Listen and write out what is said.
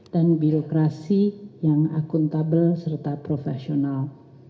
dan birokrasi yang akuntabel serta profesional